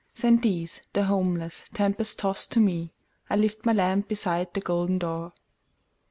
Send these, the homeless, tempest tost to me,I lift my lamp beside the golden door!"